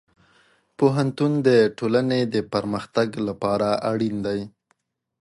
پوهنتون د ټولنې د پرمختګ لپاره اړین دی.